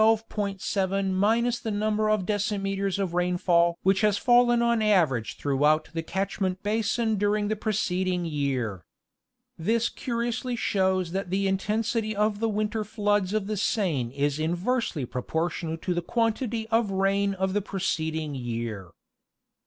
7 minus the number of decimetres of rain fall which has fallen on an average throughout the catchment basin during the preceding year. This curiously shows that the intensity of the winter floods of the Seine is inversely propor tional to the quantity of rain of the preceding year.